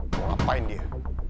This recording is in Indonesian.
mau ngapain dia